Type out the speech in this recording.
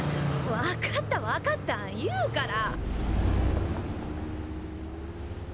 分かった分かった言うから！